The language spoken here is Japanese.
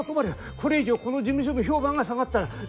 これ以上この事務所の評判が下がったら。